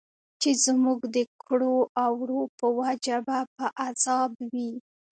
چې زموږ د کړو او وړو په وجه به په عذاب وي.